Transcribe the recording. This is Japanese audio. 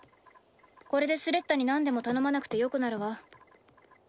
これでスレッタになんでも頼まなくてよくなるわ。